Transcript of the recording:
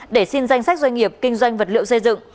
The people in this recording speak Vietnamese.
để xin danh sách doanh nghiệp kinh doanh vật liệu xây dựng